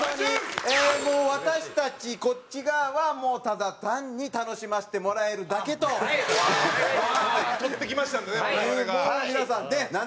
もう私たちこっち側はもうただ単に楽しませてもらえるだけと。撮ってきましたんでね